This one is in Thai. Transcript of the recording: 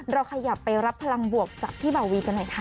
เราขยับไปรับพลังบวกจากพี่เบาวีกันหน่อยค่ะ